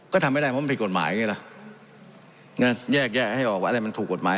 ก็ทำไม่ได้เพราะมันผิดกฎหมายไงล่ะแยกแยะให้ออกว่าอะไรมันถูกกฎหมาย